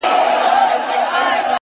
مهرباني د کینې دیوالونه نړوي.!